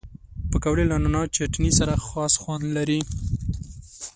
پکورې له نعناع چټني سره خاص خوند لري